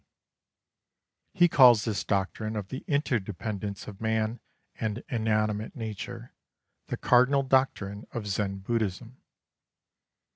D. He calls this doctrine of the interdependence of man and inanimate nature, the cardinal doctrine of Zen Buddhism.